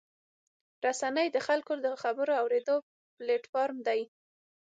رسنۍ د خلکو د خبرو اورېدو پلیټفارم دی.